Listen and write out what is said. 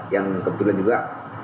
yang kebetulan juga